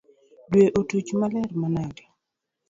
Due otuch maler manade .